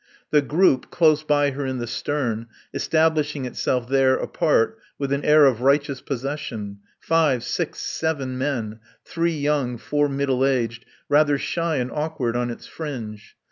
The group, close by her in the stern, establishing itself there apart, with an air of righteous possession: five, six, seven men, three young, four middle aged, rather shy and awkward, on its fringe.